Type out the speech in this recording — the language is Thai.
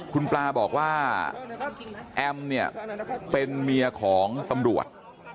คุณปลาบอกว่าแอมเนี่ยเป็นเมียของตำรวจ